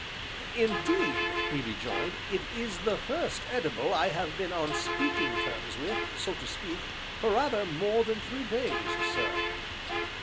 "Indeed!" he rejoined, "it is the first edible I have been on speaking terms with, so to speak, for rather more than three days, sir."